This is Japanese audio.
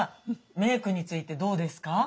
メークについてどうですか？